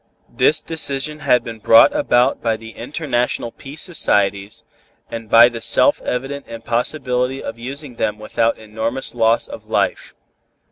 This decision had been brought about by the International Peace Societies and by the self evident impossibility of using them without enormous loss of life.